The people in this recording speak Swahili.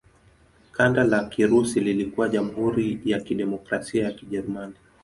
Kanda la Kirusi lilikuwa Jamhuri ya Kidemokrasia ya Kijerumani.